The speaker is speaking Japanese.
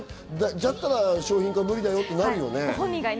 じゃあ商品化が無理だよってなるよね。